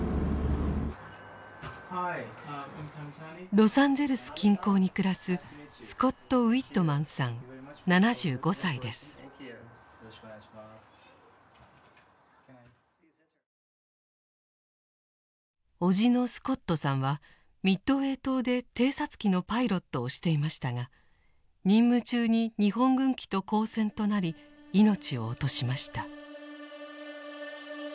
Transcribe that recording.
ロサンゼルス近郊に暮らす叔父のスコットさんはミッドウェー島で偵察機のパイロットをしていましたが任務中に日本軍機と交戦となり命を落としました。